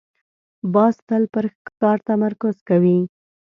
باز تل پر ښکار تمرکز کوي